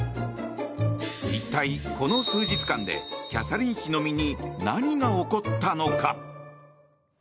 一体、この数日間でキャサリン妃の身に何が起こったのか？